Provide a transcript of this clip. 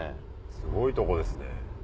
すごいとこですね。